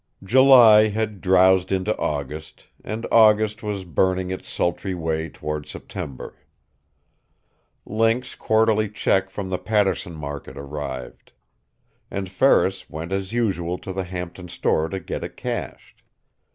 July had drowsed into August, and August was burning its sultry way toward September. Link's quarterly check from the Paterson Market arrived. And Ferris went as usual to the Hampton store to get it cashed.